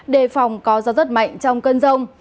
đề phòng có gió rất mạnh trong cơn rông